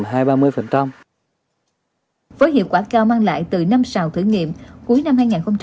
với hiệu quả cao mang lại từ năm sào thử nghiệm cuối năm hai nghìn hai mươi